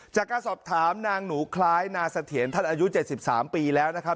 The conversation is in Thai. จากการสอบถามนางหนูคล้ายนาเสถียรท่านอายุ๗๓ปีแล้วนะครับ